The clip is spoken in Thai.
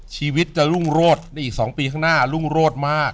ชีวิตจะรุ่งโรดในอีก๒ปีข้างหน้ารุ่งโรดมาก